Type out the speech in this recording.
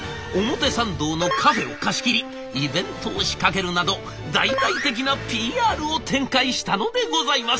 表参道のカフェを貸し切りイベントを仕掛けるなど大々的なＰＲを展開したのでございます。